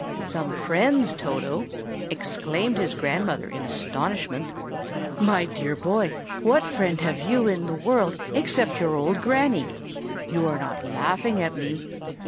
"Some friends, Toto!" exclaimed his grandmother in astonishment. "My dear boy, what friend have you in the world except your old Granny? You are laughing at me."